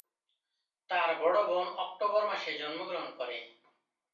তার বড় বোন অক্টোবর মাসে জন্মগ্রহণ করে।